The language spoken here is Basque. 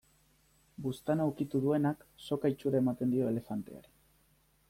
Buztana ukitu duenak, soka itxura ematen dio elefanteari.